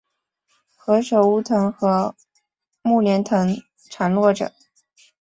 何首乌藤和木莲藤缠络着